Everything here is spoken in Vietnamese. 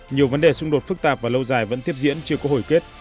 nhiều vấn đề xung đột phức tạp và lâu dài vẫn tiếp diễn chưa có hồi kết